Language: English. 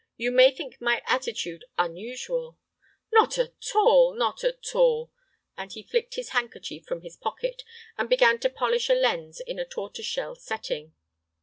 You may think my attitude unusual—" "Not at all—not at all," and he flicked his handkerchief from his pocket and began to polish a lens in a tortoise shell setting.